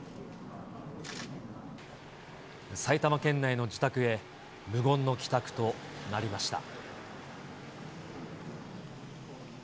埼玉県内の自宅へ、無言の帰宅となりました。